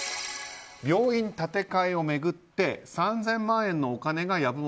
病院建て替えを巡って３０００万円のお金が籔本